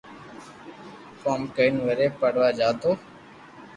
ڪوم ڪرين وري پڙوا جاتو